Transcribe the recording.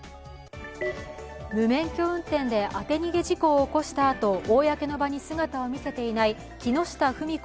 無免許運転で当て逃げ事故を起こしたあと、公の場に姿を見せていない木下富美子